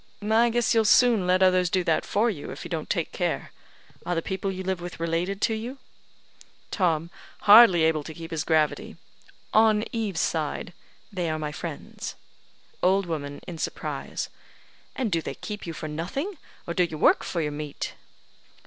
I guess you'll soon let others do that for you, if you don't take care. Are the people you live with related to you?" Tom (hardly able to keep his gravity): "On Eve's side. They are my friends." Old woman (in surprise): "And do they keep you for nothing, or do you work for your meat?"